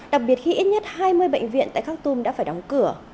đặc biệt khi ít nhất hai mươi bệnh viện tại khắc tùm đã phải đóng cửa